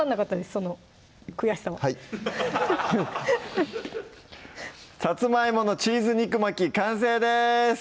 その悔しさは「さつまいものチーズ肉巻き」完成です